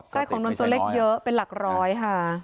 ใกล้ของดนตัวเลขเยอะเป็นหลักร้อยค่ะ